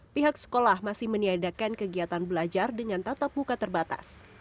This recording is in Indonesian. pihak sekolah masih meniadakan kegiatan belajar dengan tatap muka terbatas